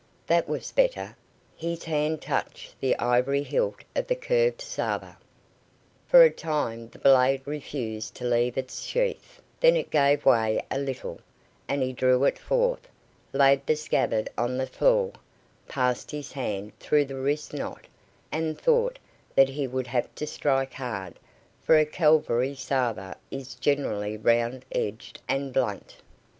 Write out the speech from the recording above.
That was better! His hand touched the ivory hilt of the curved sabre. For a time the blade refused to leave its sheath; then it gave way a little, and he drew it forth, laid the scabbard on the floor, passed his hand through the wrist knot, and thought that he would have to strike hard, for a cavalry sabre is generally round edged and blunt.